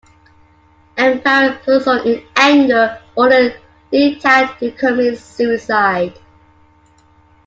Emperor Suzong, in anger, ordered Li Tan to commit suicide.